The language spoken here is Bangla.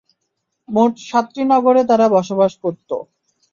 মোট সাতটি নগরে তারা বসবাস করত।